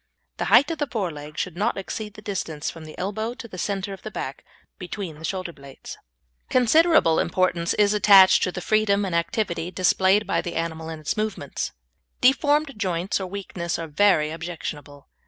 The height of the fore leg should not exceed the distance from the elbow to the centre of the back, between the shoulder blades. Considerable importance is attached to the freedom and activity displayed by the animal in its movements. Deformed joints, or weakness, are very objectionable.